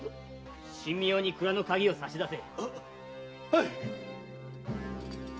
神妙に蔵の鍵を差し出せ。